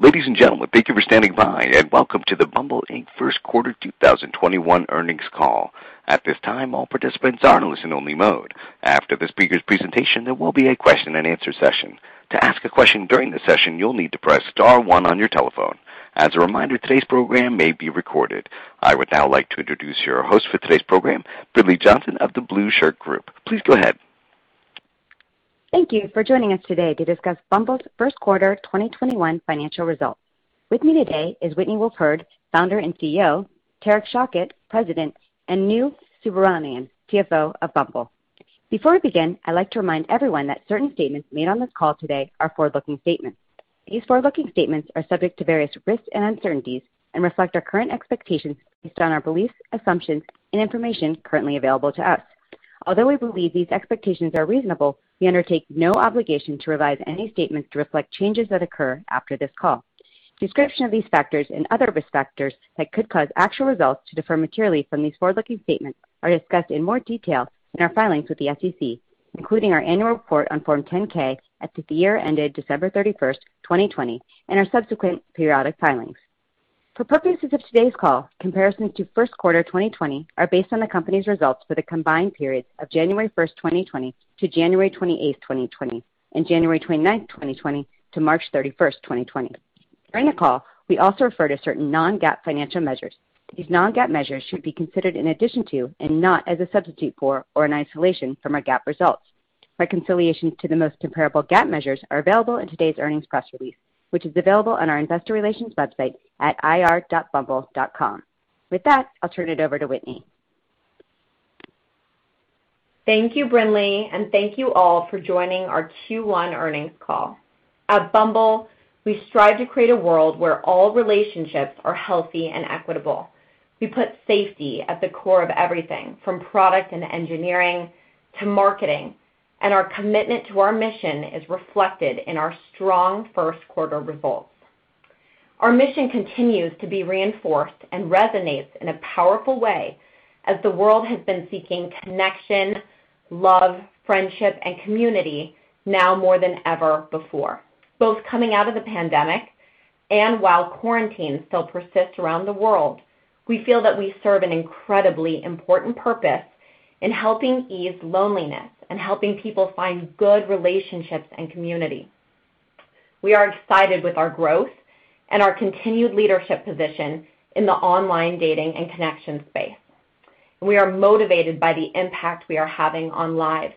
Ladies and gentlemen, thank you for standing by and welcome to the Bumble Inc. First Quarter 2021 Earnings Call. At this time all participants are listen only mode after the presentation there will be question-and-answer session to ask question during the session you will need to press star one on your telephone as a reminder todays program maybe recorded, I would now like to introduce your host for today's program, Brinlea Johnson of The Blueshirt Group. Please go ahead. Thank you for joining us today to discuss Bumble's first quarter 2021 financial results. With me today is Whitney Wolfe Herd, Founder and CEO, Tariq Shaukat, President, and Anu Subramanian, CFO of Bumble. Before we begin, I'd like to remind everyone that certain statements made on this call today are forward-looking statements. These forward-looking statements are subject to various risks and uncertainties and reflect our current expectations based on our beliefs, assumptions, and information currently available to us. Although we believe these expectations are reasonable, we undertake no obligation to revise any statements to reflect changes that occur after this call. Description of these factors and other risk factors that could cause actual results to differ materially from these forward-looking statements are discussed in more detail in our filings with the SEC, including our annual report on Form 10-K as of the year ended December 31st, 2020, and our subsequent periodic filings. For purposes of today's call, comparisons to first quarter 2020 are based on the company's results for the combined periods of January 1st, 2020, to January 28th, 2020, and January 29th, 2020, to March 31st, 2020. During the call, we also refer to certain non-GAAP financial measures. These non-GAAP measures should be considered in addition to and not as a substitute for or an isolation from our GAAP results. Reconciliation to the most comparable GAAP measures are available in today's earnings press release, which is available on our investor relations website at ir.bumble.com. With that, I'll turn it over to Whitney. Thank you, Brinlea, and thank you all for joining our Q1 earnings call. At Bumble, we strive to create a world where all relationships are healthy and equitable. We put safety at the core of everything, from product and engineering to marketing, and our commitment to our mission is reflected in our strong first quarter results. Our mission continues to be reinforced and resonates in a powerful way as the world has been seeking connection, love, friendship, and community now more than ever before. Both coming out of the pandemic and while quarantines still persist around the world, we feel that we serve an incredibly important purpose in helping ease loneliness and helping people find good relationships and community. We are excited with our growth and our continued leadership position in the online dating and connection space. We are motivated by the impact we are having on lives.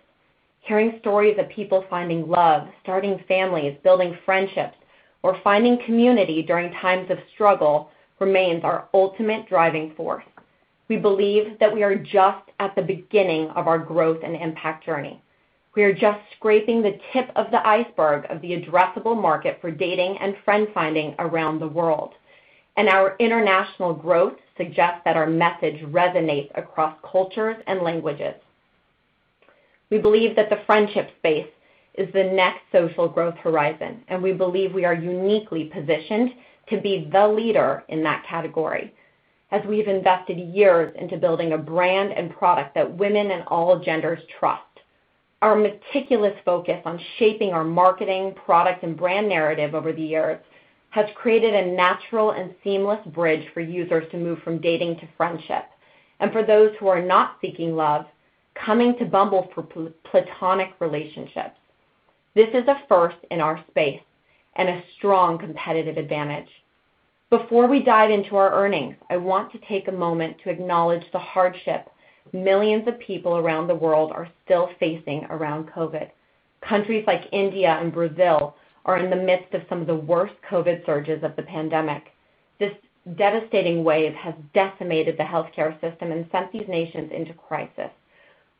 Hearing stories of people finding love, starting families, building friendships, or finding community during times of struggle remains our ultimate driving force. We believe that we are just at the beginning of our growth and impact journey. We are just scraping the tip of the iceberg of the addressable market for dating and friend-finding around the world, and our international growth suggests that our message resonates across cultures and languages. We believe that the friendship space is the next social growth horizon, and we believe we are uniquely positioned to be the leader in that category, as we've invested years into building a brand and product that women and all genders trust. Our meticulous focus on shaping our marketing, product, and brand narrative over the years has created a natural and seamless bridge for users to move from dating to friendship and for those who are not seeking love, coming to Bumble for platonic relationships. This is a first in our space and a strong competitive advantage. Before we dive into our earnings, I want to take a moment to acknowledge the hardship millions of people around the world are still facing around COVID. Countries like India and Brazil are in the midst of some of the worst COVID surges of the pandemic. This devastating wave has decimated the healthcare system and sent these nations into crisis.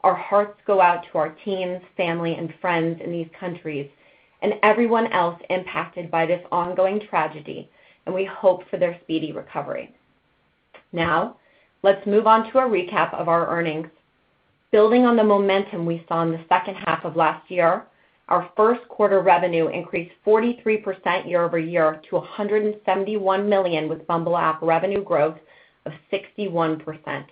Our hearts go out to our teams, family, and friends in these countries and everyone else impacted by this ongoing tragedy, and we hope for their speedy recovery. Now, let's move on to a recap of our earnings. Building on the momentum we saw in the second half of last year, our first quarter revenue increased 43% year-over-year to $171 million with Bumble app revenue growth of 61%.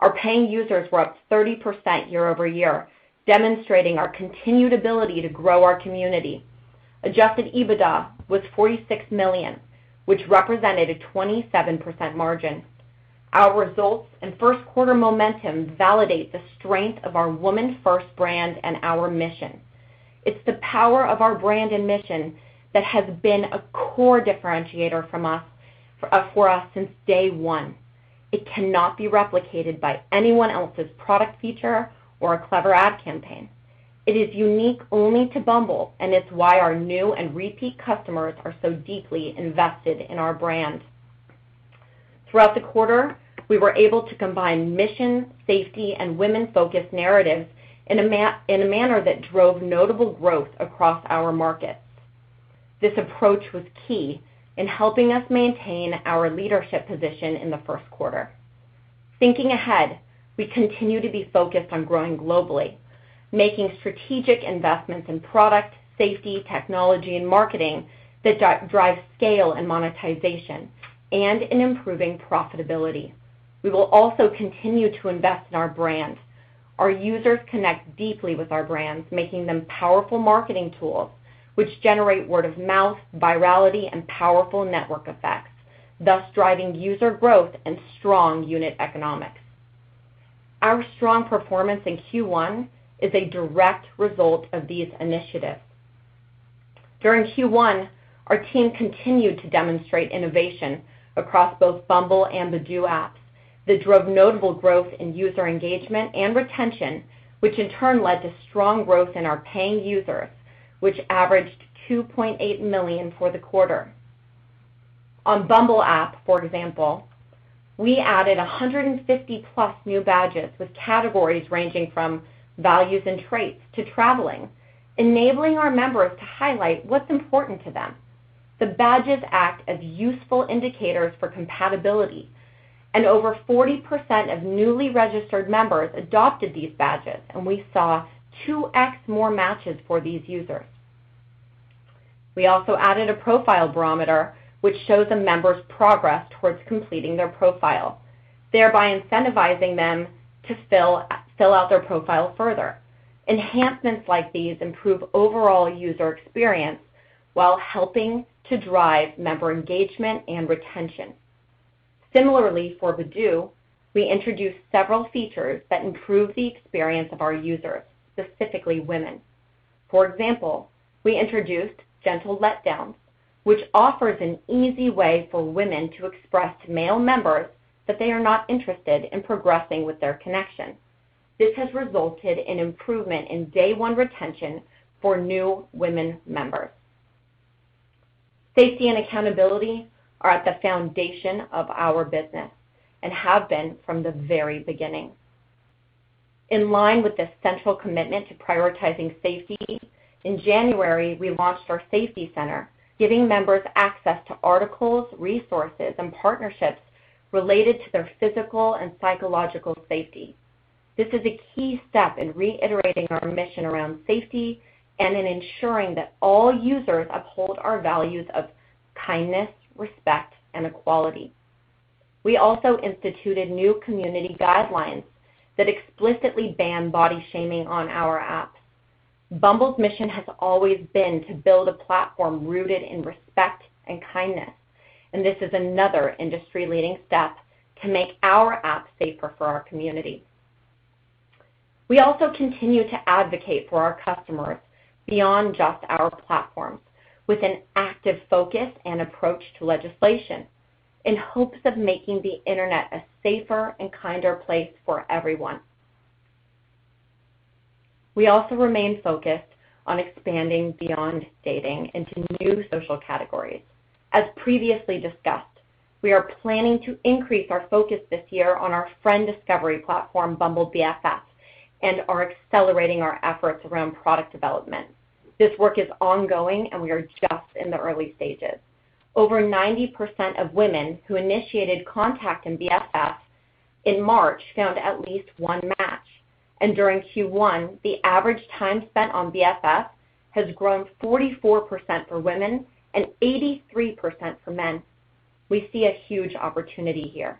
Our paying users were up 30% year-over-year, demonstrating our continued ability to grow our community. Adjusted EBITDA was $46 million, which represented a 27% margin. Our results and first quarter momentum validate the strength of our women-first brand and our mission. It's the power of our brand and mission that has been a core differentiator for us since day one. It cannot be replicated by anyone else's product feature or a clever ad campaign. It is unique only to Bumble, and it's why our new and repeat customers are so deeply invested in our brand. Throughout the quarter, we were able to combine mission, safety, and women-focused narratives in a manner that drove notable growth across our markets. This approach was key in helping us maintain our leadership position in the first quarter. Thinking ahead, we continue to be focused on growing globally, making strategic investments in product, safety, technology, and marketing that drive scale and monetization and in improving profitability. We will also continue to invest in our brand. Our users connect deeply with our brands, making them powerful marketing tools which generate word of mouth, virality, and powerful network effects, thus driving user growth and strong unit economics. Our strong performance in Q1 is a direct result of these initiatives. During Q1, our team continued to demonstrate innovation across both Bumble and the Badoo apps that drove notable growth in user engagement and retention, which in turn led to strong growth in our paying users, which averaged 2.8 million for the quarter. On Bumble app, for example, we added 150+ new badges with categories ranging from values and traits to traveling, enabling our members to highlight what's important to them. The badges act as useful indicators for compatibility. Over 40% of newly registered members adopted these badges, and we saw 2x more matches for these users. We also added a profile barometer, which shows a member's progress towards completing their profile, thereby incentivizing them to fill out their profile further. Enhancements like these improve overall user experience while helping to drive member engagement and retention. Similarly, for Badoo, we introduced several features that improve the experience of our users, specifically women. For example, we introduced gentle letdowns, which offers an easy way for women to express to male members that they are not interested in progressing with their connection. This has resulted in improvement in day one retention for new women members. Safety and accountability are at the foundation of our business and have been from the very beginning. In line with this central commitment to prioritizing safety, in January, we launched our safety center, giving members access to articles, resources, and partnerships related to their physical and psychological safety. This is a key step in reiterating our mission around safety and in ensuring that all users uphold our values of kindness, respect, and equality. We also instituted new community guidelines that explicitly ban body shaming on our app. Bumble's mission has always been to build a platform rooted in respect and kindness, and this is another industry-leading step to make our app safer for our community. We also continue to advocate for our customers beyond just our platforms with an active focus and approach to legislation in hopes of making the internet a safer and kinder place for everyone. We also remain focused on expanding beyond dating into new social categories. As previously discussed, we are planning to increase our focus this year on our friend discovery platform, Bumble BFF, and are accelerating our efforts around product development. This work is ongoing, and we are just in the early stages. Over 90% of women who initiated contact in BFF in March found at least one match, and during Q1, the average time spent on BFF has grown 44% for women and 83% for men. We see a huge opportunity here.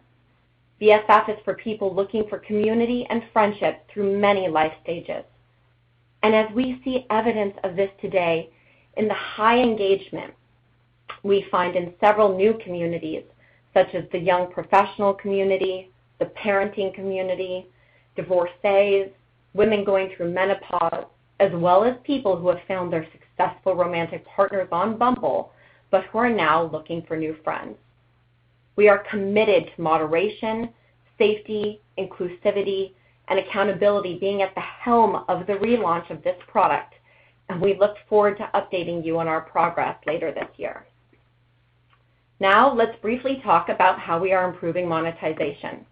BFF is for people looking for community and friendship through many life stages, and as we see evidence of this today in the high engagement we find in several new communities, such as the young professional community, the parenting community, divorcees, women going through menopause, as well as people who have found their successful romantic partners on Bumble, but who are now looking for new friends. We are committed to moderation, safety, inclusivity, and accountability being at the helm of the relaunch of this product, and we look forward to updating you on our progress later this year. Now let's briefly talk about how we are improving monetization.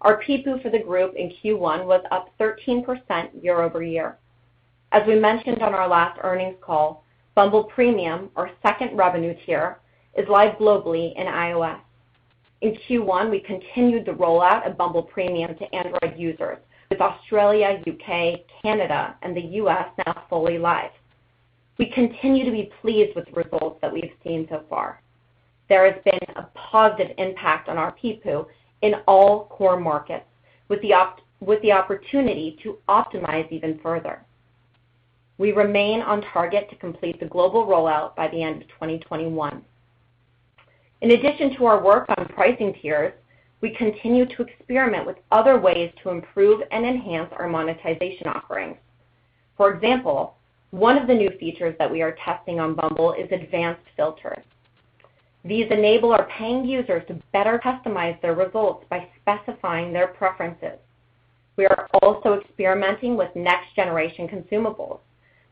Our PPU for the group in Q1 was up 13% year-over-year. As we mentioned on our last earnings call, Bumble Premium, our second revenue tier, is live globally in iOS. In Q1, we continued the rollout of Bumble Premium to Android users with Australia, U.K., Canada, and the U.S. now fully live. We continue to be pleased with the results that we've seen so far. There has been a positive impact on our PPU in all core markets with the opportunity to optimize even further. We remain on target to complete the global rollout by the end of 2021. In addition to our work on pricing tiers, we continue to experiment with other ways to improve and enhance our monetization offerings. For example, one of the new features that we are testing on Bumble is advanced filters. These enable our paying users to better customize their results by specifying their preferences. We are also experimenting with next generation consumables,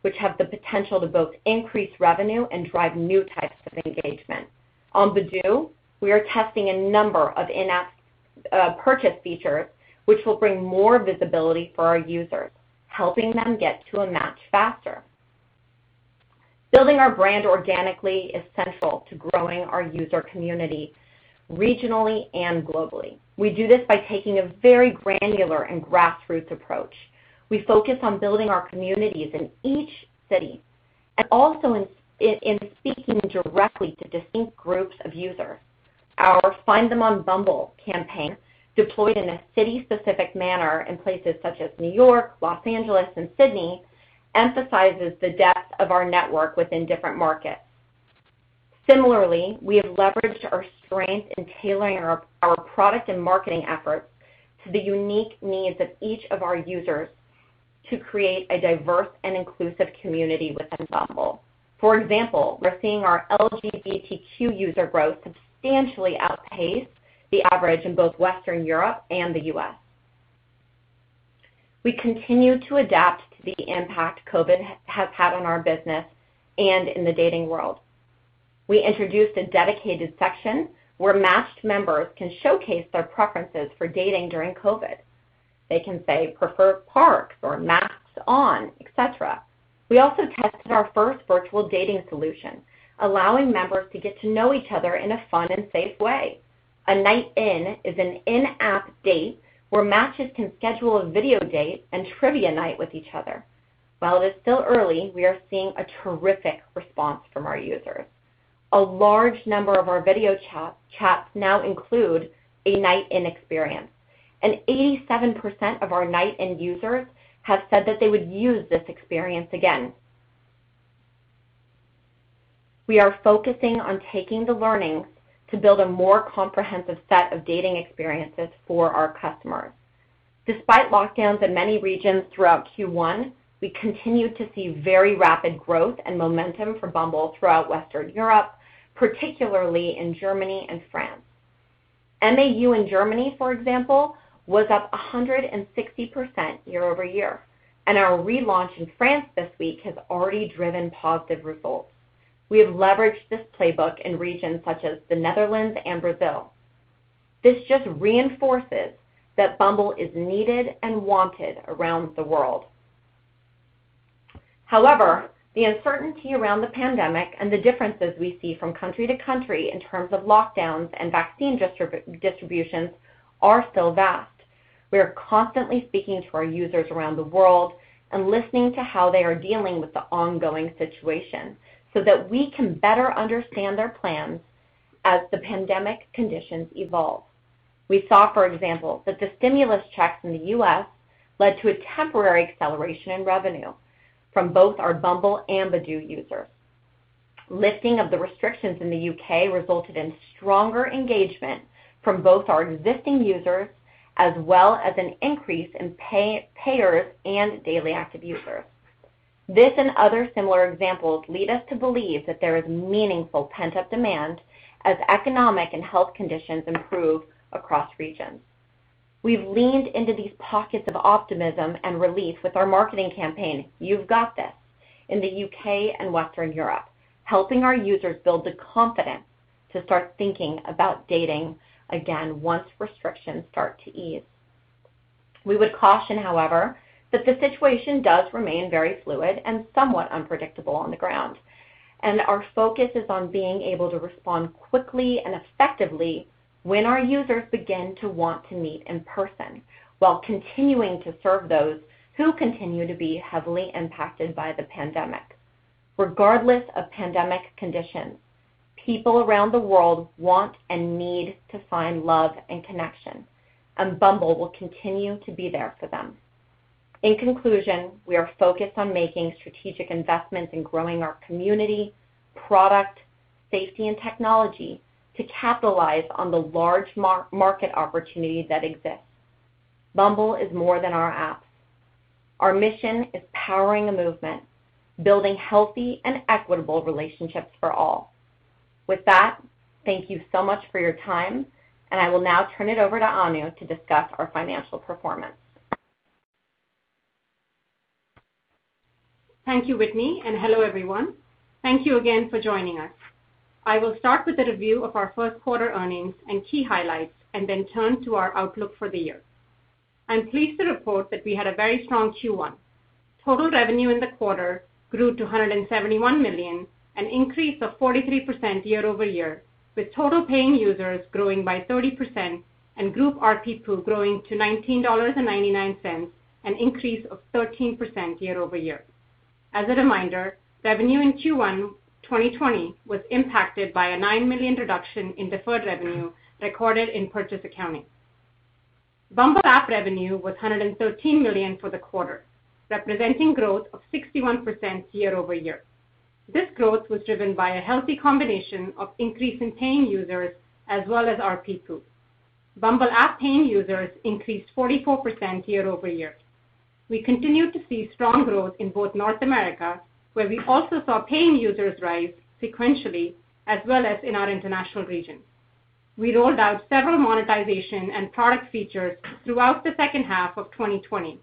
which have the potential to both increase revenue and drive new types of engagement. On Badoo, we are testing a number of in-app purchase features, which will bring more visibility for our users, helping them get to a match faster. Building our brand organically is central to growing our user community regionally and globally. We do this by taking a very granular and grassroots approach. We focus on building our communities in each city and also in speaking directly to distinct groups of users. Our FindThemOnBumble campaign, deployed in a city-specific manner in places such as New York, Los Angeles, and Sydney, emphasizes the depth of our network within different markets. Similarly, we have leveraged our strength in tailoring our product and marketing efforts to the unique needs of each of our users to create a diverse and inclusive community within Bumble. For example, we're seeing our LGBTQ user growth substantially outpace the average in both Western Europe and the U.S. We continue to adapt to the impact COVID has had on our business and in the dating world. We introduced a dedicated section where matched members can showcase their preferences for dating during COVID. They can say Prefer Parks or Masks On, et cetera. We also tested our first virtual dating solution, allowing members to get to know each other in a fun and safe way. A Night In is an in-app date where matches can schedule a video date and trivia night with each other. While it is still early, we are seeing a terrific response from our users. A large number of our video chats now include a Night In experience, and 87% of our Night In users have said that they would use this experience again. We are focusing on taking the learnings to build a more comprehensive set of dating experiences for our customers. Despite lockdowns in many regions throughout Q1, we continued to see very rapid growth and momentum for Bumble throughout Western Europe, particularly in Germany and France. MAU in Germany, for example, was up 160% year-over-year, and our relaunch in France this week has already driven positive results. We have leveraged this playbook in regions such as the Netherlands and Brazil. This just reinforces that Bumble is needed and wanted around the world. However, the uncertainty around the pandemic and the differences we see from country to country in terms of lockdowns and vaccine distributions are still vast. We are constantly speaking to our users around the world and listening to how they are dealing with the ongoing situation so that we can better understand their plans as the pandemic conditions evolve. We saw, for example, that the stimulus checks in the U.S. led to a temporary acceleration in revenue from both our Bumble and Badoo users. Lifting of the restrictions in the U.K. resulted in stronger engagement from both our existing users as well as an increase in payers and daily active users. This and other similar examples lead us to believe that there is meaningful pent-up demand as economic and health conditions improve across regions. We've leaned into these pockets of optimism and relief with our marketing campaign, You've Got This, in the U.K. and Western Europe, helping our users build the confidence to start thinking about dating again once restrictions start to ease. We would caution, however, that the situation does remain very fluid and somewhat unpredictable on the ground, and our focus is on being able to respond quickly and effectively when our users begin to want to meet in person while continuing to serve those who continue to be heavily impacted by the pandemic. Regardless of pandemic conditions, people around the world want and need to find love and connection, and Bumble will continue to be there for them. In conclusion, we are focused on making strategic investments in growing our community, product, safety, and technology to capitalize on the large market opportunity that exists. Bumble is more than our app. Our mission is powering a movement, building healthy and equitable relationships for all. With that, thank you so much for your time, and I will now turn it over to Anu to discuss our financial performance. Thank you, Whitney. Hello, everyone. Thank you again for joining us. I will start with a review of our first quarter earnings and key highlights and then turn to our outlook for the year. I'm pleased to report that we had a very strong Q1. Total revenue in the quarter grew to $171 million, an increase of 43% year-over-year, with total paying users growing by 30% and Group ARPPU growing to $19.99, an increase of 13% year-over-year. As a reminder, revenue in Q1 2020 was impacted by a nine million reduction in deferred revenue recorded in purchase accounting. Bumble app revenue was $113 million for the quarter, representing growth of 61% year-over-year. This growth was driven by a healthy combination of increase in paying users as well as ARPPU. Bumble app paying users increased 44% year-over-year. We continued to see strong growth in both North America, where we also saw paying users rise sequentially, as well as in our international regions. We rolled out several monetization and product features throughout the second half of 2020,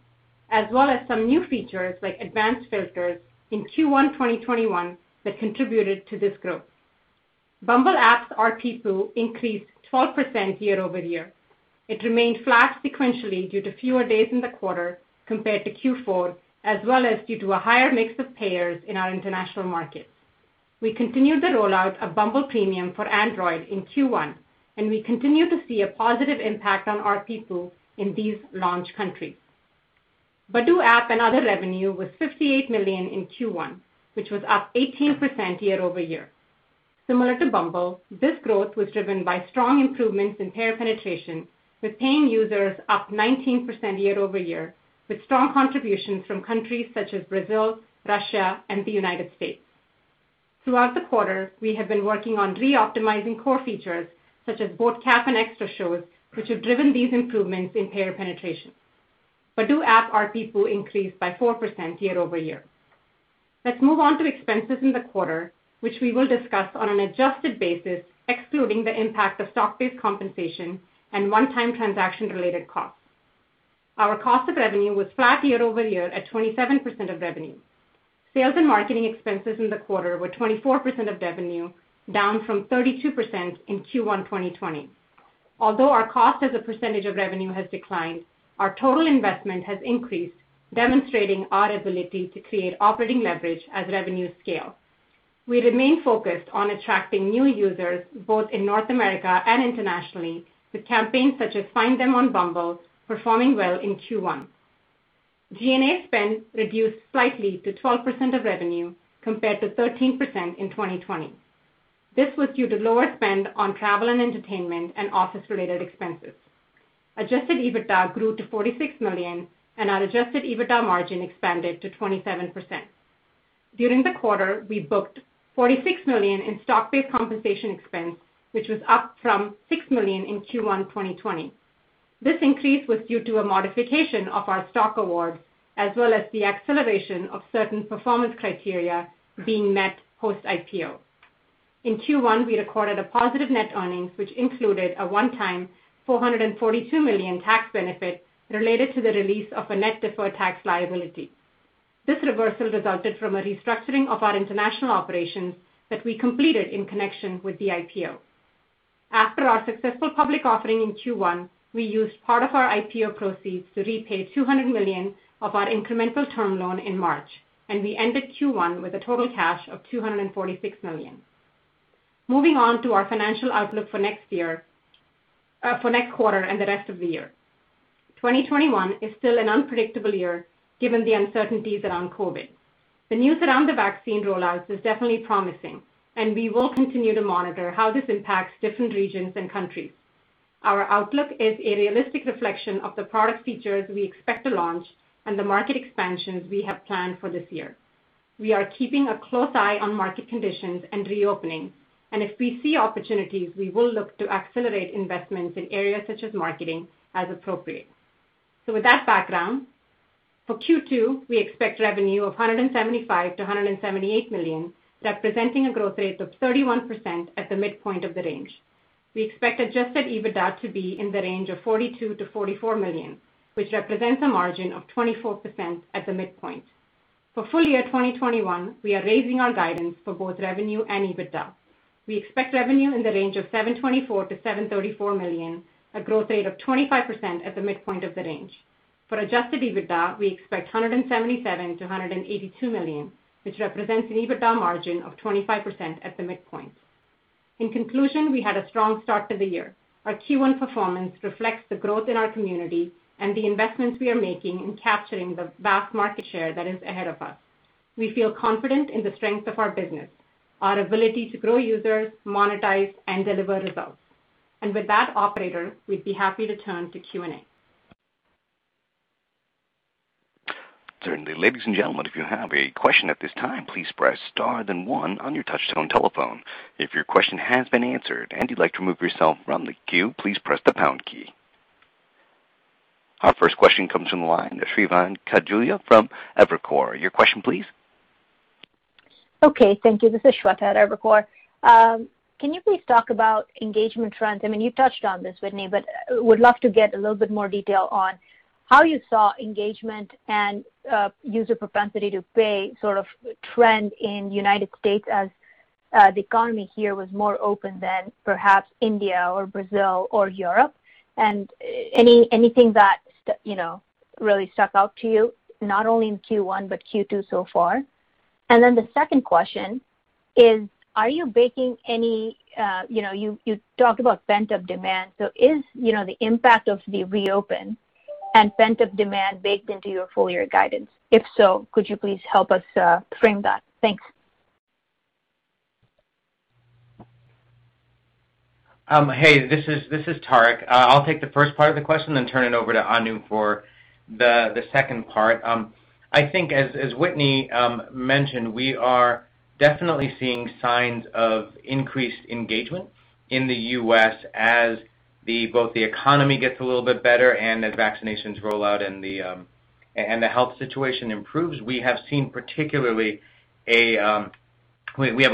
as well as some new features, like advanced filters in Q1 2021, that contributed to this growth. Bumble app's ARPPU increased 12% year-over-year. It remained flat sequentially due to fewer days in the quarter compared to Q4, as well as due to a higher mix of payers in our international markets. We continued the rollout of Bumble Premium for Android in Q1, and we continue to see a positive impact on ARPPU in these launch countries. Badoo app and other revenue was $58 million in Q1, which was up 18% year-over-year. Similar to Bumble, this growth was driven by strong improvements in payer penetration, with paying users up 19% year-over-year, with strong contributions from countries such as Brazil, Russia, and the U.S. Throughout the quarter, we have been working on re-optimizing core features such as vote cap and Extra Shows, which have driven these improvements in payer penetration. Badoo app ARPPU increased by 4% year-over-year. Let's move on to expenses in the quarter, which we will discuss on an adjusted basis, excluding the impact of stock-based compensation and one-time transaction-related costs. Our cost of revenue was flat year-over-year at 27% of revenue. Sales and marketing expenses in the quarter were 24% of revenue, down from 32% in Q1 2020. Although our cost as a percentage of revenue has declined, our total investment has increased, demonstrating our ability to create operating leverage as revenues scale. We remain focused on attracting new users both in North America and internationally, with campaigns such as Find Them on Bumble performing well in Q1. G&A spend reduced slightly to 12% of revenue compared to 13% in 2020. This was due to lower spend on travel and entertainment and office-related expenses. Adjusted EBITDA grew to $46 million and our Adjusted EBITDA margin expanded to 27%. During the quarter, we booked $46 million in stock-based compensation expense, which was up from $6 million in Q1 2020. This increase was due to a modification of our stock award, as well as the acceleration of certain performance criteria being met post-IPO. In Q1, we recorded a positive net earnings, which included a one-time $442 million tax benefit related to the release of a net deferred tax liability. This reversal resulted from a restructuring of our international operations that we completed in connection with the IPO. After our successful public offering in Q1, we used part of our IPO proceeds to repay $200 million of our incremental term loan in March. We ended Q1 with a total cash of $246 million. Moving on to our financial outlook for next quarter and the rest of the year. 2021 is still an unpredictable year given the uncertainties around COVID. The news around the vaccine rollouts is definitely promising, and we will continue to monitor how this impacts different regions and countries. Our outlook is a realistic reflection of the product features we expect to launch and the market expansions we have planned for this year. We are keeping a close eye on market conditions and reopening. If we see opportunities, we will look to accelerate investments in areas such as marketing as appropriate. With that background, for Q2, we expect revenue of $175 million-$178 million, representing a growth rate of 31% at the midpoint of the range. We expect Adjusted EBITDA to be in the range of $42 million-$44 million, which represents a margin of 24% at the midpoint. For full year 2021, we are raising our guidance for both revenue and EBITDA. We expect revenue in the range of $724 million-$734 million, a growth rate of 25% at the midpoint of the range. For Adjusted EBITDA, we expect $177 million-$182 million, which represents an EBITDA margin of 25% at the midpoint. In conclusion, we had a strong start to the year. Our Q1 performance reflects the growth in our community and the investments we are making in capturing the vast market share that is ahead of us. We feel confident in the strength of our business, our ability to grow users, monetize, and deliver results. With that, operator, we'd be happy to turn to Q&A. Ladies and gentlemen, if you have question at this time please press star then one on your touchtone telephone. If your question has been answered and you would like to remove yourself from queue please press the pound key Our first question comes from the line of Shweta Khajuria from Evercore. Your question, please. Okay, thank you. This is Shweta at Evercore. Can you please talk about engagement trends? You touched on this, Whitney, but would love to get a little bit more detail on how you saw engagement and user propensity to pay sort of trend in United States as the economy here was more open than perhaps India or Brazil or Europe. Anything that really stuck out to you, not only in Q1 but Q2 so far. Then the second question is, you talked about pent-up demand. Is the impact of the reopen and pent-up demand baked into your full-year guidance? If so, could you please help us frame that? Thanks. Hey, this is Tariq. I'll take the first part of the question, then turn it over to Anu for the second part. I think, as Whitney mentioned, we are definitely seeing signs of increased engagement in the U.S. as both the economy gets a little bit better and as vaccinations roll out and the health situation improves. We have a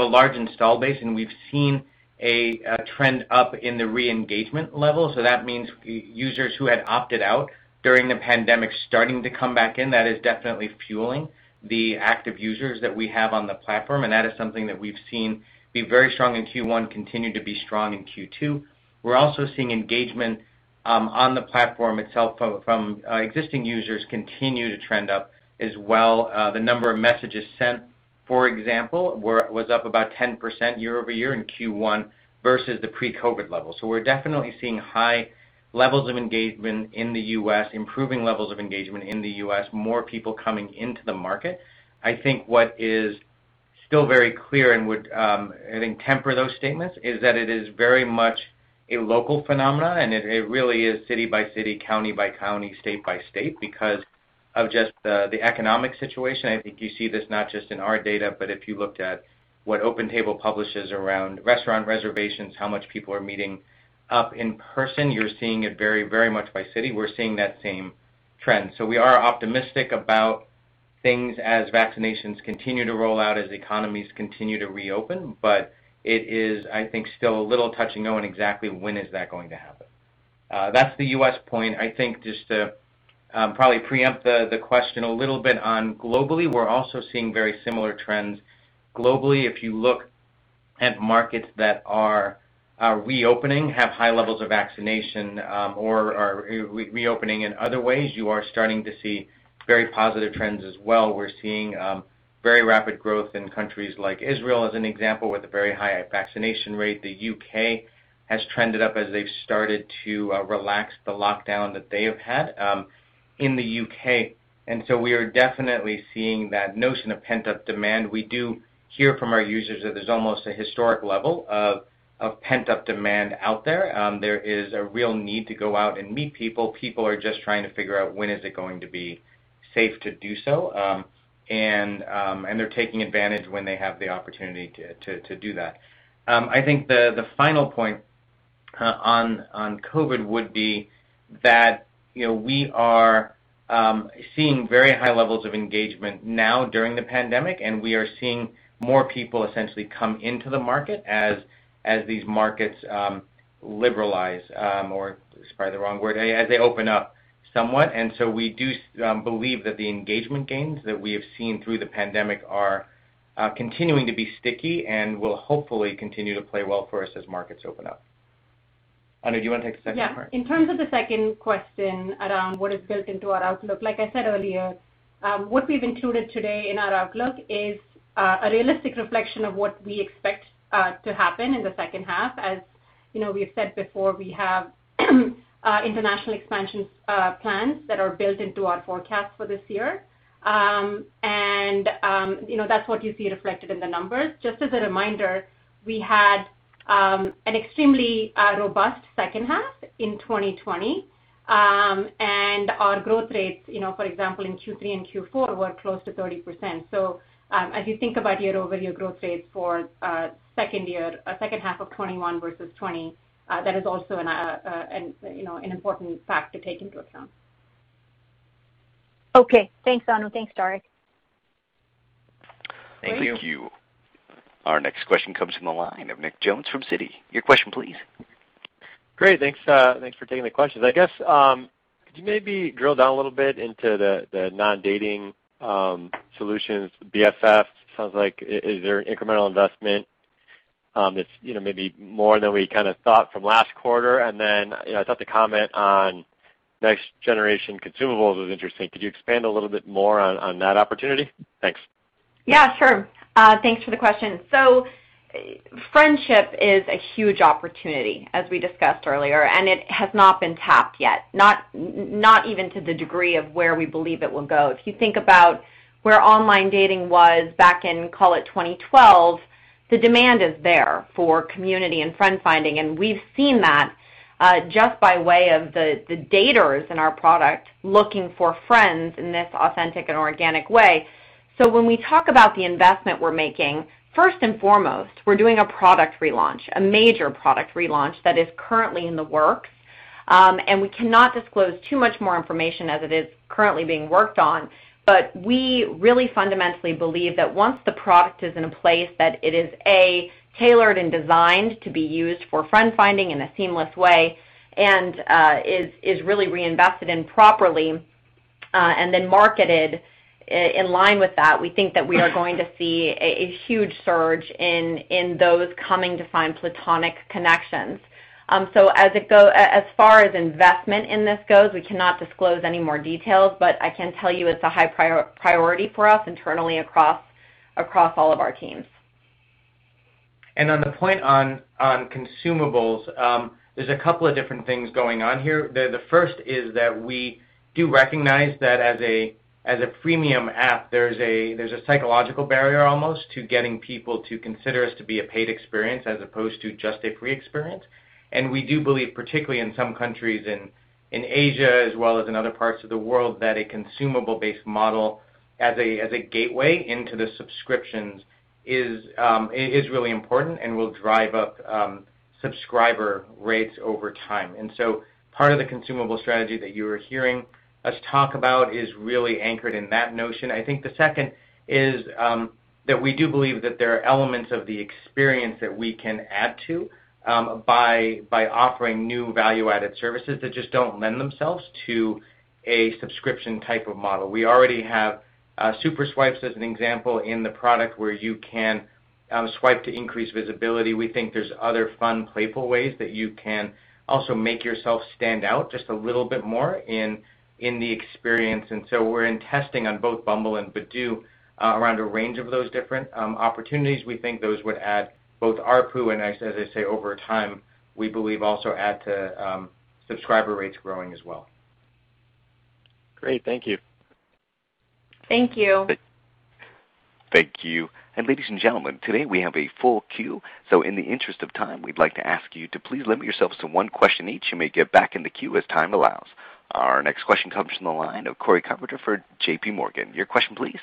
large install base, and we've seen a trend up in the re-engagement level. That means users who had opted out during the pandemic starting to come back in. That is definitely fueling the active users that we have on the platform, and that is something that we've seen be very strong in Q1, continue to be strong in Q2. We're also seeing engagement on the platform itself from existing users continue to trend up as well. The number of messages sent, for example, was up about 10% year-over-year in Q1 versus the pre-COVID levels. We're definitely seeing high levels of engagement in the U.S., improving levels of engagement in the U.S., more people coming into the market. I think what is still very clear and would, I think, temper those statements is that it is very much a local phenomenon, and it really is city by city, county by county, state by state because of just the economic situation. I think you see this not just in our data, but if you looked at what OpenTable publishes around restaurant reservations, how much people are meeting up in person, you're seeing it very much by city. We're seeing that same trend. We are optimistic about things as vaccinations continue to roll out, as economies continue to reopen. It is, I think, still a little touch and go on exactly when is that going to happen. That's the U.S. point. I think just to probably preempt the question a little bit on globally, we're also seeing very similar trends globally. If you look at markets that are reopening, have high levels of vaccination, or are reopening in other ways, you are starting to see very positive trends as well. We're seeing very rapid growth in countries like Israel, as an example, with a very high vaccination rate. The U.K. has trended up as they've started to relax the lockdown that they have had in the U.K. We are definitely seeing that notion of pent-up demand. We do hear from our users that there's almost a historic level of pent-up demand out there. There is a real need to go out and meet people. People are just trying to figure out when is it going to be safe to do so. They're taking advantage when they have the opportunity to do that. I think the final point on COVID would be that we are seeing very high levels of engagement now during the pandemic, and we are seeing more people essentially come into the market as these markets liberalize, or is probably the wrong word, as they open up somewhat. We do believe that the engagement gains that we have seen through the pandemic are continuing to be sticky and will hopefully continue to play well for us as markets open up. Anu, do you want to take the second part? Yeah. In terms of the second question around what is built into our outlook, like I said earlier, what we've included today in our outlook is a realistic reflection of what we expect to happen in the second half. As we have said before, we have international expansion plans that are built into our forecast for this year. That's what you see reflected in the numbers. Just as a reminder, we had an extremely robust second half in 2020. Our growth rates, for example, in Q3 and Q4, were close to 30%. As you think about year-over-year growth rates for second half of 2021 versus 2020, that is also an important fact to take into account. Okay. Thanks, Anu. Thanks, Tariq. Thank you. Great. Thank you. Our next question comes from the line of Nick Jones from Citi. Your question, please. Great. Thanks for taking the questions. I guess could you maybe drill down a little bit into the non-dating solutions, the BFFs? It sounds like, is there incremental investment that's maybe more than we kind of thought from last quarter? I thought the comment on next generation consumables was interesting. Could you expand a little bit more on that opportunity? Thanks. Yeah, sure. Thanks for the question. Friendship is a huge opportunity, as we discussed earlier, and it has not been tapped yet. Not even to the degree of where we believe it will go. If you think about where online dating was back in, call it, 2012, the demand is there for community and friend-finding. We've seen that just by way of the daters in our product looking for friends in this authentic and organic way. When we talk about the investment we're making, first and foremost, we're doing a product relaunch, a major product relaunch that is currently in the works. We cannot disclose too much more information as it is currently being worked on. We really fundamentally believe that once the product is in a place that it is, a tailored and designed to be used for friend-finding in a seamless way, and is really reinvested in properly, and then marketed in line with that, we think that we are going to see a huge surge in those coming to find platonic connections. As far as investment in this goes, we cannot disclose any more details, but I can tell you it's a high priority for us internally across all of our teams. On the point on consumables, there's a couple of different things going on here. The first is that we do recognize that as a freemium app, there's a psychological barrier almost to getting people to consider us to be a paid experience as opposed to just a free experience. We do believe, particularly in some countries in Asia as well as in other parts of the world, that a consumable-based model as a gateway into the subscriptions is really important and will drive up subscriber rates over time. Part of the consumable strategy that you are hearing us talk about is really anchored in that notion. I think the second is that we do believe that there are elements of the experience that we can add to by offering new value-added services that just don't lend themselves to a subscription type of model. We already have Super Swipe as an example in the product where you can swipe to increase visibility. We think there's other fun, playful ways that you can also make yourself stand out just a little bit more in the experience. We're in testing on both Bumble and Badoo around a range of those different opportunities. We think those would add both ARPU and, as I say, over time, we believe also add to subscriber rates growing as well. Great. Thank you. Thank you. Thank you. Ladies and gentlemen, today we have a full queue, in the interest of time, we'd like to ask you to please limit yourselves to one question each. You may get back in the queue as time allows. Our next question comes from the line of Cory Carpenter for JPMorgan. Your question, please.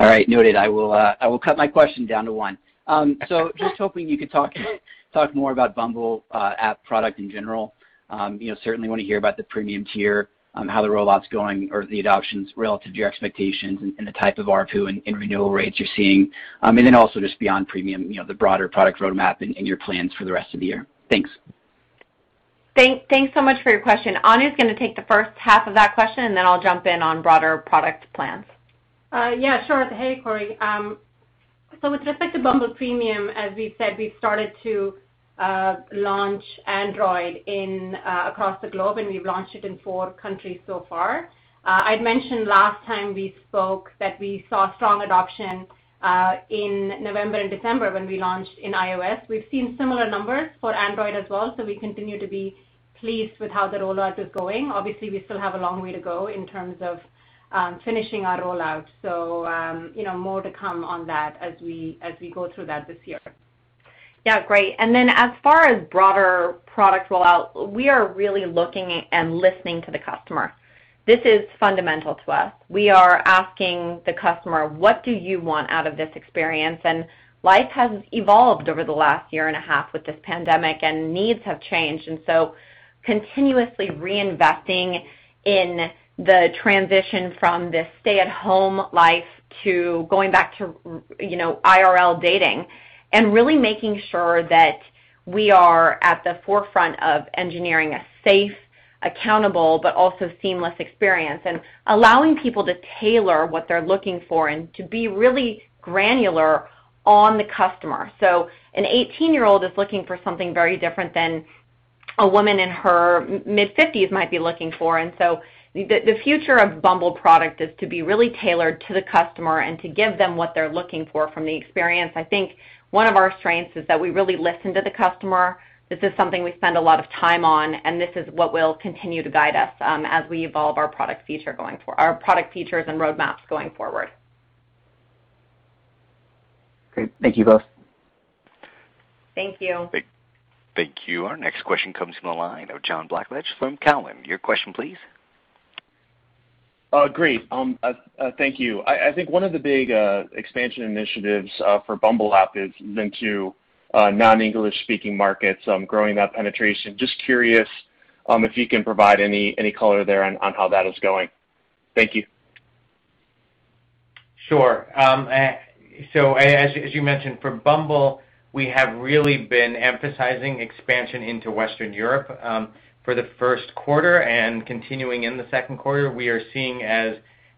All right. Noted. I will cut my question down to one. Just hoping you could talk more about Bumble app product in general. Certainly want to hear about the premium tier, how the rollout's going or the adoptions relative to your expectations and the type of ARPU and renewal rates you're seeing. Also just beyond premium, the broader product roadmap and your plans for the rest of the year. Thanks. Thanks so much for your question. Anu's going to take the first half of that question, and then I'll jump in on broader product plans. Yeah, sure. Hey, Cory. With respect to Bumble Premium, as we said, we've started to launch Android across the globe, and we've launched it in four countries so far. I'd mentioned last time we spoke that we saw strong adoption in November and December when we launched in iOS. We've seen similar numbers for Android as well, so we continue to be pleased with how the rollout is going. Obviously, we still have a long way to go in terms of finishing our rollout. More to come on that as we go through that this year. Yeah. Great. As far as broader product rollout, we are really looking and listening to the customer. This is fundamental to us. We are asking the customer, "What do you want out of this experience?" Life has evolved over the last year and a half with this pandemic, and needs have changed, and so continuously reinvesting in the transition from this stay-at-home life to going back to IRL dating and really making sure that we are at the forefront of engineering a safe, accountable, but also seamless experience, and allowing people to tailor what they're looking for and to be really granular on the customer. An 18-year-old is looking for something very different than a woman in her mid-50s might be looking for. The future of Bumble product is to be really tailored to the customer and to give them what they're looking for from the experience. I think one of our strengths is that we really listen to the customer. This is something we spend a lot of time on, and this is what will continue to guide us as we evolve our product features and roadmaps going forward. Great. Thank you both. Thank you. Thank you. Our next question comes from the line of John Blackledge from Cowen. Your question, please. Great. Thank you. I think one of the big expansion initiatives for Bumble app is into non-English-speaking markets, growing that penetration. Just curious if you can provide any color there on how that is going. Thank you. Sure. As you mentioned, for Bumble, we have really been emphasizing expansion into Western Europe. For the first quarter and continuing in the second quarter, we are seeing, as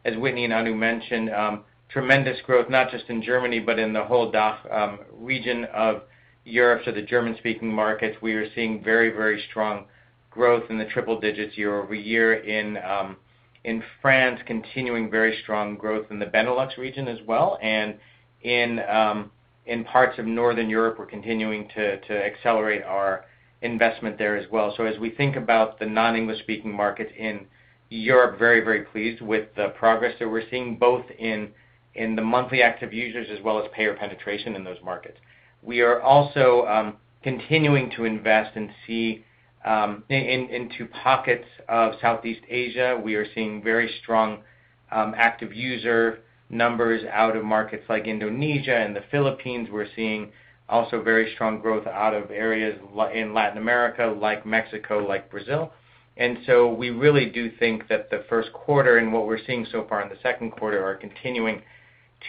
Whitney and Anu mentioned, tremendous growth, not just in Germany, but in the whole DACH region of Europe. The German-speaking markets, we are seeing very strong growth in the triple digits year-over-year in France, continuing very strong growth in the Benelux region as well. In parts of Northern Europe, we're continuing to accelerate our investment there as well. As we think about the non-English-speaking markets in Europe, very pleased with the progress that we're seeing, both in the monthly active users as well as payer penetration in those markets. We are also continuing to invest and see into pockets of Southeast Asia. We are seeing very strong active user numbers out of markets like Indonesia and the Philippines. We're seeing also very strong growth out of areas in Latin America, like Mexico, like Brazil. We really do think that the first quarter and what we're seeing so far in the second quarter are continuing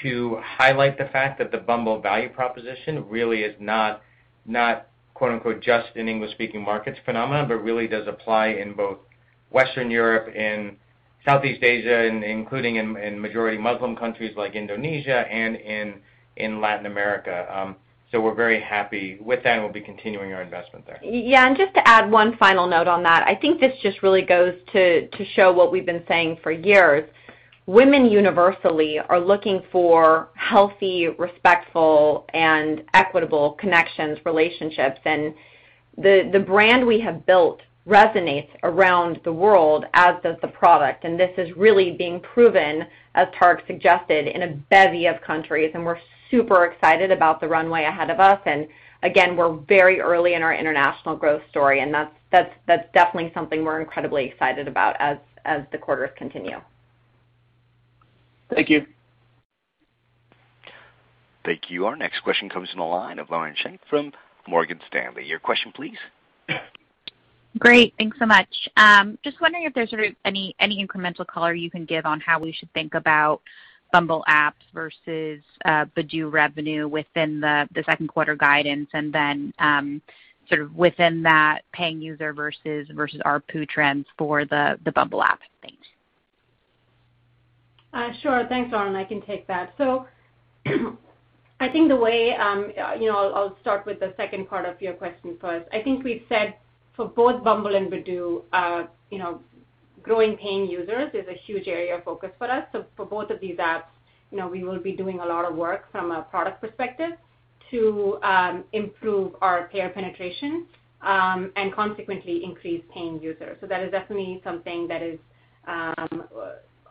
to highlight the fact that the Bumble value proposition really is not "just in English-speaking markets" phenomenon, but really does apply in both Western Europe and Southeast Asia, including in majority Muslim countries like Indonesia and in Latin America. We're very happy with that, and we'll be continuing our investment there. Yeah, just to add one final note on that. I think this just really goes to show what we've been saying for years. Women universally are looking for healthy, respectful, and equitable connections, relationships, and the brand we have built resonates around the world as does the product. This is really being proven, as Tariq suggested, in a bevy of countries, and we're super excited about the runway ahead of us. Again, we're very early in our international growth story, and that's definitely something we're incredibly excited about as the quarters continue. Thank you. Thank you. Our next question comes from the line of Lauren Schenk from Morgan Stanley. Your question, please. Great. Thanks so much. Just wondering if there's any incremental color you can give on how we should think about Bumble app versus Badoo revenue within the second quarter guidance and then sort of within that paying user versus ARPU trends for the Bumble app. Thanks. Sure. Thanks, Lauren. I can take that. I think I'll start with the second part of your question first. I think we've said for both Bumble and Badoo, growing paying users is a huge area of focus for us. For both of these apps, we will be doing a lot of work from a product perspective to improve our payer penetration, and consequently increase paying users. That is definitely something that is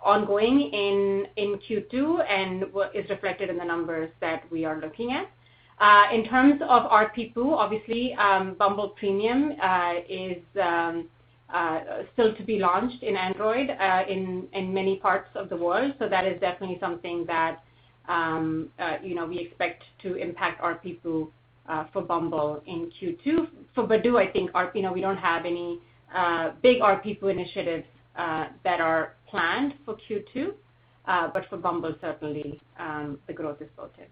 ongoing in Q2 and is reflected in the numbers that we are looking at. In terms of ARPPU, obviously, Bumble Premium is still to be launched in Android in many parts of the world. That is definitely something that we expect to impact ARPPU for Bumble in Q2. For Badoo, I think we don't have any big ARPPU initiatives that are planned for Q2. For Bumble, certainly, the growth is positive.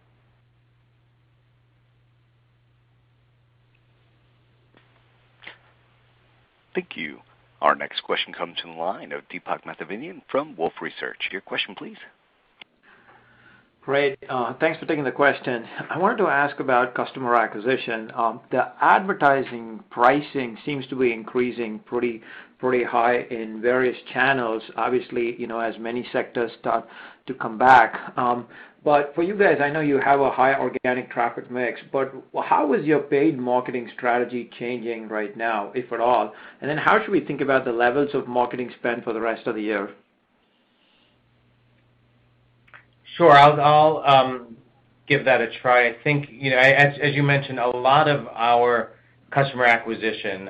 Thank you. Our next question comes from the line of Deepak Mathivanan from Wolfe Research. Your question, please. Great. Thanks for taking the question. I wanted to ask about customer acquisition. The advertising pricing seems to be increasing pretty high in various channels, obviously, as many sectors start to come back. For you guys, I know you have a high organic traffic mix, but how is your paid marketing strategy changing right now, if at all? How should we think about the levels of marketing spend for the rest of the year? Sure. I'll give that a try. I think, as you mentioned, a lot of our customer acquisition,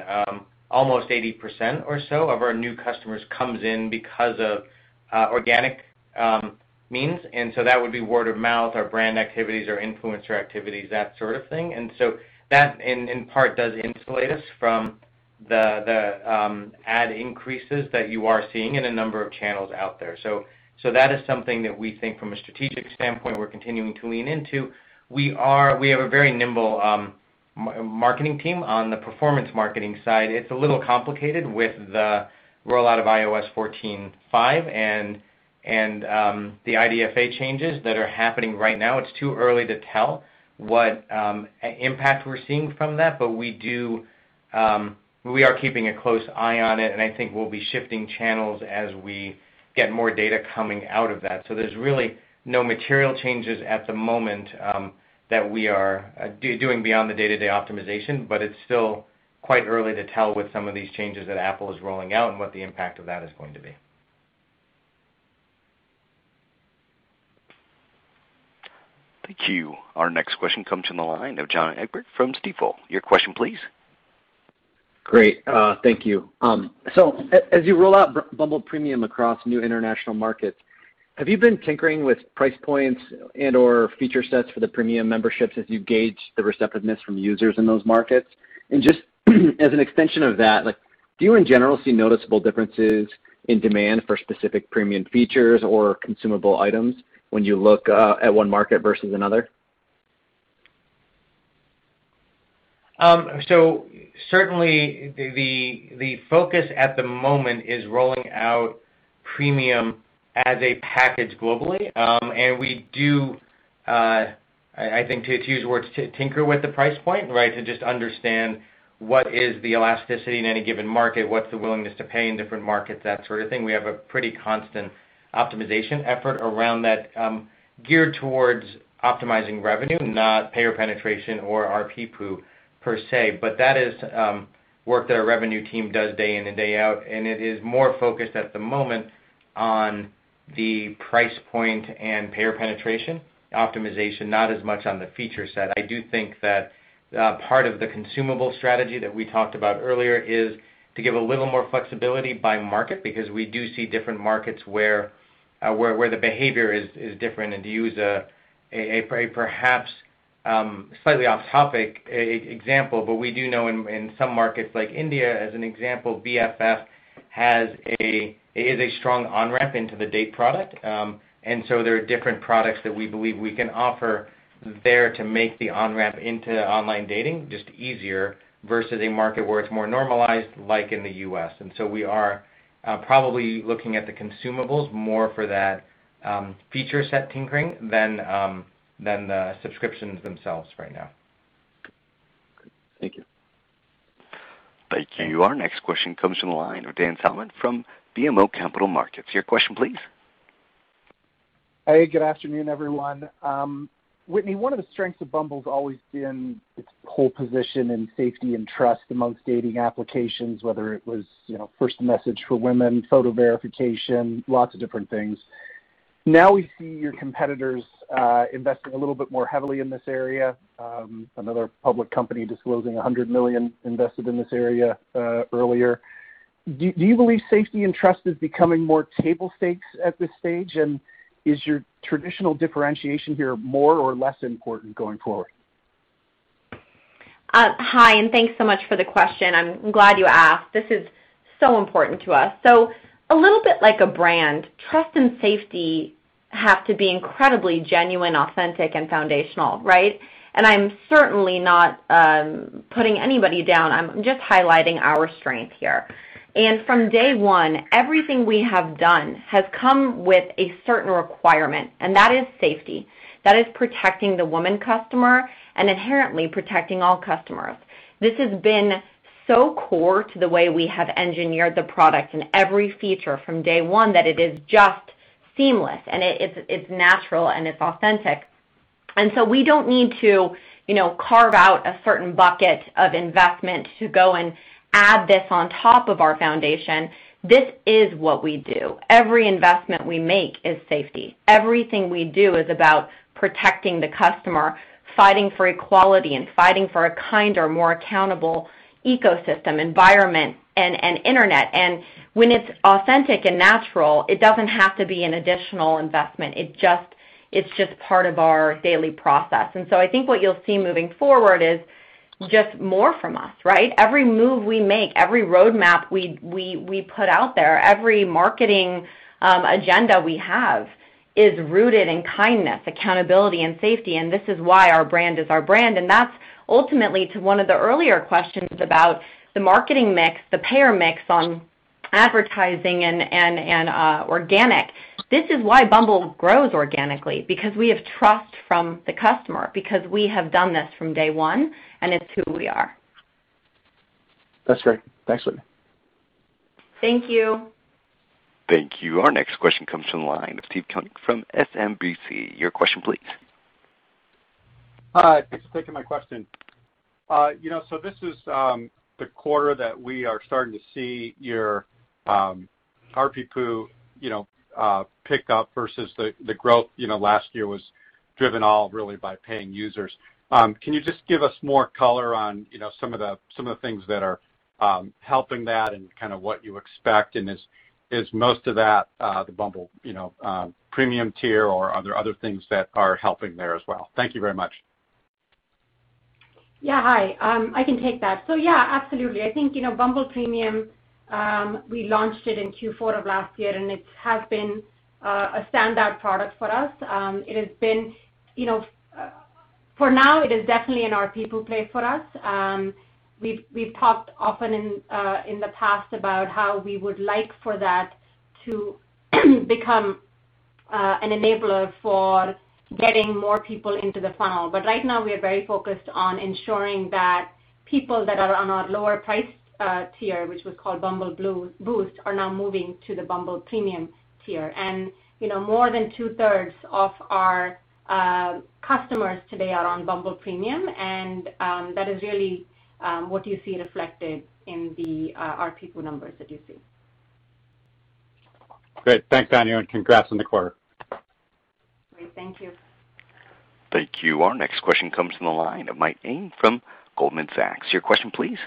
almost 80% or so of our new customers comes in because of organic means. That would be word of mouth or brand activities or influencer activities, that sort of thing. That, in part, does insulate us from the ad increases that you are seeing in a number of channels out there. That is something that we think from a strategic standpoint, we're continuing to lean into. We have a very nimble marketing team on the performance marketing side. It's a little complicated with the rollout of iOS 14.5 and the IDFA changes that are happening right now. It's too early to tell what impact we're seeing from that, but we are keeping a close eye on it, and I think we'll be shifting channels as we get more data coming out of that. There's really no material changes at the moment that we are doing beyond the day-to-day optimization, but it's still quite early to tell with some of these changes that Apple is rolling out and what the impact of that is going to be. Thank you. Our next question comes from the line of John Egbert from Stifel. Your question, please. Great. Thank you. As you roll out Bumble Premium across new international markets, have you been tinkering with price points and/or feature sets for the premium memberships as you gauge the receptiveness from users in those markets? Just as an extension of that, do you in general see noticeable differences in demand for specific premium features or consumable items when you look at one market versus another? Certainly, the focus at the moment is rolling out Premium as a package globally. We do, I think to use your words, "tinker" with the price point, right? To just understand what is the elasticity in any given market, what's the willingness to pay in different markets, that sort of thing. We have a pretty constant optimization effort around that, geared towards optimizing revenue, not payer penetration or ARPPU per se. That is work that our revenue team does day in and day out, and it is more focused at the moment on the price point and payer penetration optimization, not as much on the feature set. I do think that part of the consumable strategy that we talked about earlier is to give a little more flexibility by market, because we do see different markets where the behavior is different and to use a perhaps slightly off-topic example, but we do know in some markets like India, as an example, BFF is a strong on-ramp into the date product. There are different products that we believe we can offer there to make the on-ramp into online dating just easier, versus a market where it's more normalized, like in the U.S. We are probably looking at the consumables more for that feature set tinkering than the subscriptions themselves right now. Thank you. Thank you. Our next question comes from the line of Daniel Salmon from BMO Capital Markets. Your question please. Hey, good afternoon, everyone. Whitney, one of the strengths of Bumble's always been its whole position in safety and trust amongst dating applications, whether it was first message for women, photo verification, lots of different things. Now we see your competitors investing a little bit more heavily in this area. Another public company disclosing $100 million invested in this area earlier. Do you believe safety and trust is becoming more table stakes at this stage? Is your traditional differentiation here more or less important going forward? Hi, thanks so much for the question. I'm glad you asked. This is so important to us. A little bit like a brand, trust and safety have to be incredibly genuine, authentic, and foundational, right? I'm certainly not putting anybody down, I'm just highlighting our strength here. From day one, everything we have done has come with a certain requirement, and that is safety. That is protecting the woman customer and inherently protecting all customers. This has been so core to the way we have engineered the product in every feature from day one that it is just seamless, and it's natural and it's authentic. We don't need to carve out a certain bucket of investment to go and add this on top of our foundation. This is what we do. Every investment we make is safety. Everything we do is about protecting the customer, fighting for equality, and fighting for a kinder, more accountable ecosystem, environment, and internet. When it's authentic and natural, it doesn't have to be an additional investment. It's just part of our daily process. I think what you'll see moving forward is just more from us, right? Every move we make, every roadmap we put out there, every marketing agenda we have is rooted in kindness, accountability, and safety, and this is why our brand is our brand. That's ultimately to one of the earlier questions about the marketing mix, the payer mix on advertising and organic. This is why Bumble grows organically, because we have trust from the customer, because we have done this from day one, and it's who we are. That's great. Thanks, Whitney. Thank you. Thank you. Our next question comes from the line of Steve Koenig from SMBC. Your question please. Hi, thanks for taking my question. This is the quarter that we are starting to see your ARPPU pick up versus the growth last year was driven all really by paying users. Can you just give us more color on some of the things that are helping that and kind of what you expect, and is most of that the Bumble Premium tier, or are there other things that are helping there as well? Thank you very much. Yeah. Hi, I can take that. Yeah, absolutely. I think, Bumble Premium, we launched it in Q4 of last year, and it has been a standout product for us. For now, it is definitely an ARPPU play for us. We've talked often in the past about how we would like for that to become an enabler for getting more people into the funnel. Right now, we are very focused on ensuring that people that are on our lower priced tier, which was called Bumble Boost, are now moving to the Bumble Premium tier. More than 2/3 of our customers today are on Bumble Premium and that is really what you see reflected in the ARPPU numbers that you see. Great. Thanks, Anu, and congrats on the quarter. Great. Thank you. Thank you. Our next question comes from the line of Michael Ng from Goldman Sachs. Your question, please.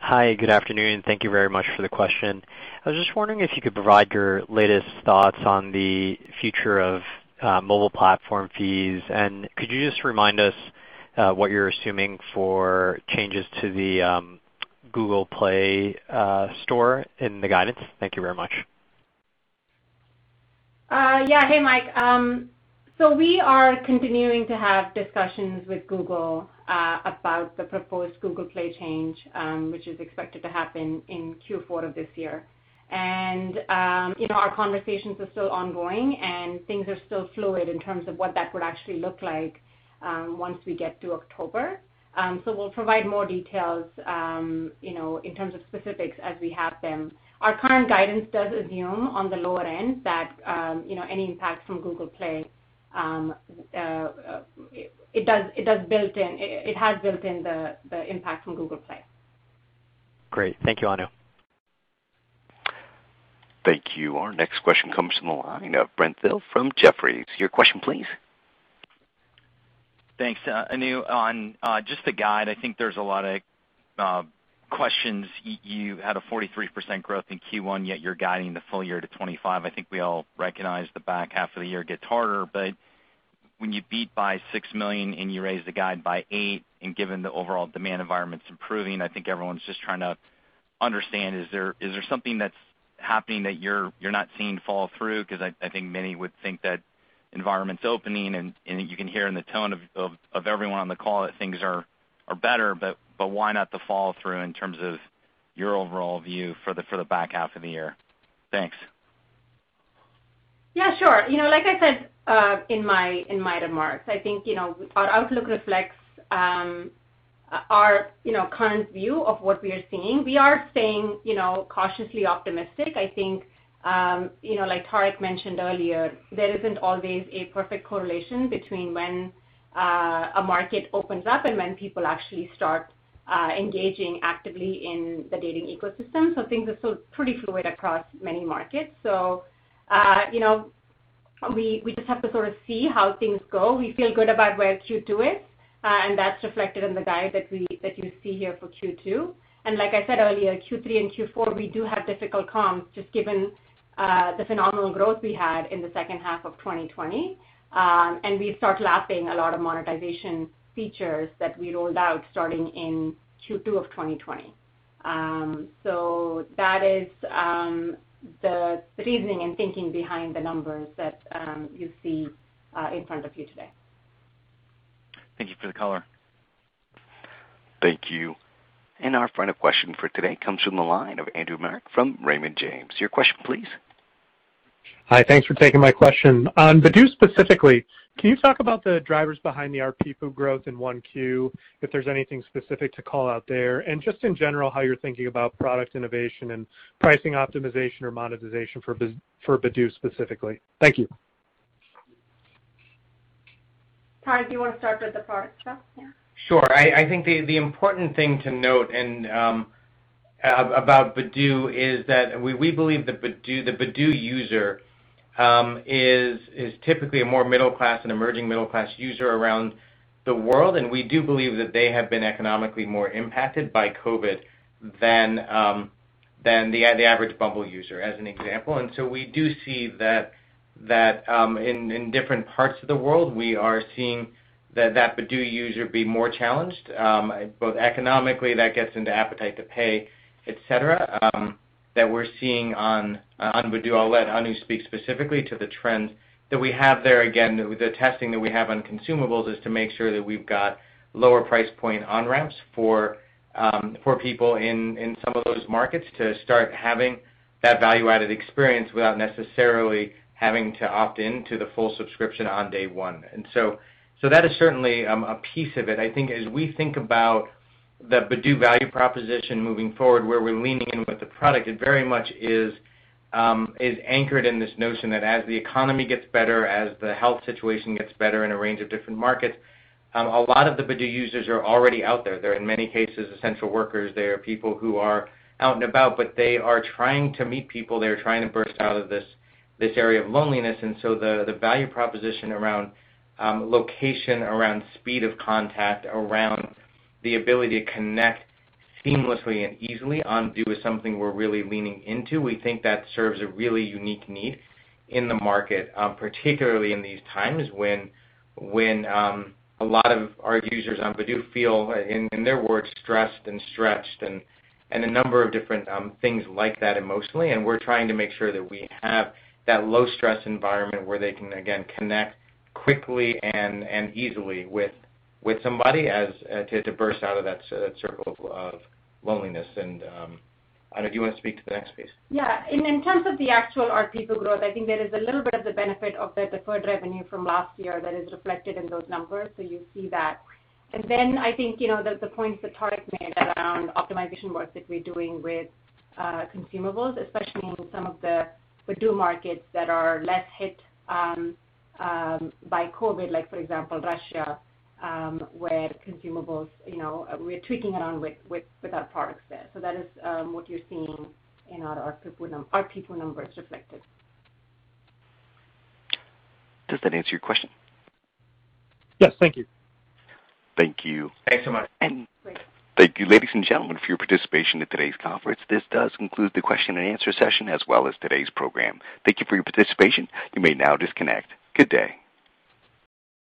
Hi, good afternoon. Thank you very much for the question. I was just wondering if you could provide your latest thoughts on the future of mobile platform fees, and could you just remind us what you're assuming for changes to the Google Play Store in the guidance? Thank you very much. Yeah. Hey, Mike. We are continuing to have discussions with Google about the proposed Google Play change, which is expected to happen in Q4 of this year. Our conversations are still ongoing, and things are still fluid in terms of what that would actually look like once we get to October. We'll provide more details in terms of specifics as we have them. Our current guidance does assume, on the lower end, that any impact from Google Play, it has built in the impact from Google Play. Great. Thank you, Anu. Thank you. Our next question comes from the line of Brent Thill from Jefferies. Your question, please. Thanks. Anu, on just the guide, I think there's a lot of questions. You had a 43% growth in Q1, yet you're guiding the full year to 25%. I think we all recognize the back half of the year gets harder, but when you beat by $6 million and you raise the guide by $8 million, and given the overall demand environment's improving, I think everyone's just trying to understand, is there something that's happening that you're not seeing fall through? I think many would think that environment's opening and you can hear in the tone of everyone on the call that things are better, but why not the fall through in terms of your overall view for the back half of the year? Thanks. Yeah, sure. Like I said in my remarks, I think our outlook reflects our current view of what we are seeing. We are staying cautiously optimistic. I think, like Tariq mentioned earlier, there isn't always a perfect correlation between when a market opens up and when people actually start engaging actively in the dating ecosystem, so things are still pretty fluid across many markets. We just have to sort of see how things go. We feel good about where Q2 is, and that's reflected in the guide that you see here for Q2. Like I said earlier, Q3 and Q4, we do have difficult comps, just given the phenomenal growth we had in the second half of 2020, and we start lapping a lot of monetization features that we rolled out starting in Q2 of 2020. That is the reasoning and thinking behind the numbers that you see in front of you today. Thank you for the color. Thank you. Our final question for today comes from the line of Andrew Marok from Raymond James. Your question, please. Hi. Thanks for taking my question. On Badoo specifically, can you talk about the drivers behind the ARPPU growth in 1Q, if there's anything specific to call out there? Just in general, how you're thinking about product innovation and pricing optimization or monetization for Badoo specifically. Thank you. Tariq, do you want to start with the product stuff, yeah? Sure. I think the important thing to note about Badoo is that we believe the Badoo user is typically a more middle class, an emerging middle class user around the world, and we do believe that they have been economically more impacted by COVID than the average Bumble user, as an example. We do see that in different parts of the world, we are seeing that Badoo user be more challenged, both economically, that gets into appetite to pay, et cetera, that we're seeing on Badoo. I'll let Anu speak specifically to the trends that we have there. Again, the testing that we have on consumables is to make sure that we've got lower price point on-ramps for people in some of those markets to start having that value-added experience without necessarily having to opt into the full subscription on day one. That is certainly a piece of it. I think as we think about the Badoo value proposition moving forward, where we're leaning in with the product, it very much is anchored in this notion that as the economy gets better, as the health situation gets better in a range of different markets, a lot of the Badoo users are already out there. They're, in many cases, essential workers. They are people who are out and about, but they are trying to meet people. They're trying to burst out of this area of loneliness. The value proposition around location, around speed of contact, around the ability to connect seamlessly and easily on Badoo is something we're really leaning into. We think that serves a really unique need in the market, particularly in these times when a lot of our users on Badoo feel, in their words, stressed and stretched and a number of different things like that emotionally. We're trying to make sure that we have that low-stress environment where they can, again, connect quickly and easily with somebody to burst out of that circle of loneliness. Anu, do you want to speak to the next piece? Yeah. In terms of the actual ARPPU growth, I think there is a little bit of the benefit of the deferred revenue from last year that is reflected in those numbers. You see that. I think the points that Tariq made around optimization work that we're doing with consumables, especially in some of the Badoo markets that are less hit by COVID, like for example, Russia, where consumables, we're tweaking around with our product set. That is what you're seeing in our ARPPU numbers reflected. Does that answer your question? Yes. Thank you. Thank you. Thanks so much. Great. Thank you, ladies and gentlemen, for your participation in today's conference. This does conclude the question-and-answer session, as well as today's program. Thank you for your participation. You may now disconnect. Good day.